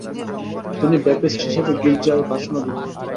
তিনি ব্যাপ্টিস্ট হিসেবে গির্জায় ভাষণও দিতেন।